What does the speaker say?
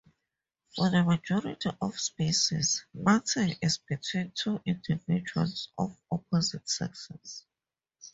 For the majority of species, mating is between two individuals of opposite sexes.